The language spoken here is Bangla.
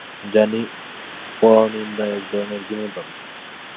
জানি, পরনিন্দা একধরনের বিনোদন।